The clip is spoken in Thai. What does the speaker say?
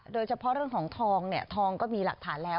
โดยเฉพาะเรื่องของทองเนี่ยทองก็มีหลักฐานแล้ว